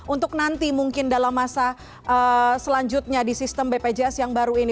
untuk nanti mungkin dalam masa selanjutnya di sistem bpjs yang baru ini